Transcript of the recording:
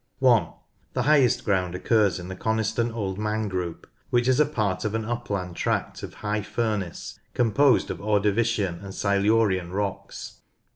(i) The highest ground occurs in the Coniston Old Man group, which is part of an upland tract of High Furness composed of Ordovician and Silurian rocks.